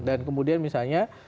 dan kemudian misalnya